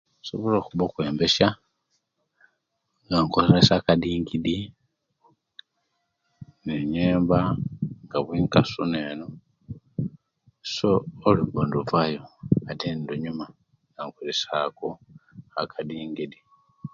Nsobola okuba okwembesiya nga nkozesa edingidi neyembanga bwenkasuna so olwembo neluzuwayo ate nelunyuma nga nkozesa ako akadingidi